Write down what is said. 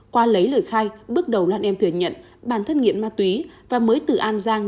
qua lấy lời khai bước đầu lan em thừa nhận bản thân nghiện ma túy và mới từ an giang